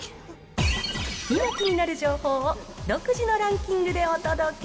今、気になる情報を独自のランキングでお届け。